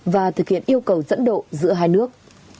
và thực hiện yêu cầu dẫn độ giữa hai nước